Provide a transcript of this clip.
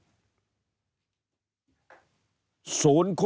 แล้วเรื่องนี้มันน่าจะทำกันเป็นกระบวนการหรอก